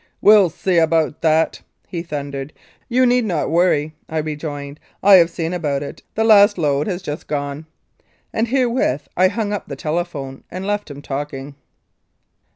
"We'll see about that," he thundered. "You need not worry," I rejoined, "I have seen about it, the last load has just gone." And herewith I hung up the telephone and left him talking.